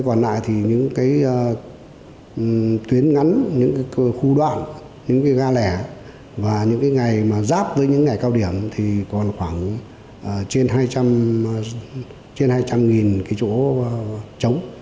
còn lại thì những tuyến ngắn những khu đoạn những ga lẻ và những ngày giáp với những ngày cao điểm thì còn khoảng trên hai trăm linh chỗ trống